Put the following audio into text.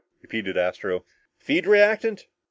repeated Astro. "Feed reactant!"